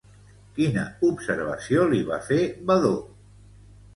Quina observació li va fer Vadó?